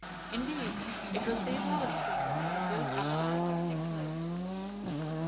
Indeed, it was these lava streams that had built up the protecting cliffs.